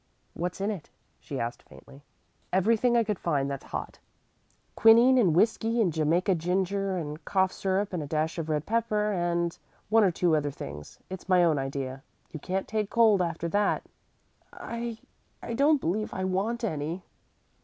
"What's in it?" she asked faintly. "Everything I could find that's hot quinine and whisky and Jamaica ginger and cough syrup and a dash of red pepper, and one or two other things. It's my own idea. You can't take cold after that." "I I don't believe I want any."